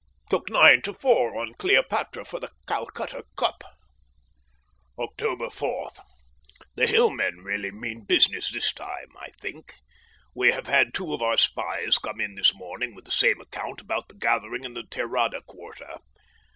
Took nine to four on Cleopatra for the Calcutta Cup. October 4. The Hillmen really mean business this time, I think. We have had two of our spies come in this morning with the same account about the gathering in the Terada quarter.